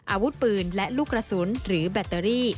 อาวุธปืนและลูกกระสุนหรือแบตเตอรี่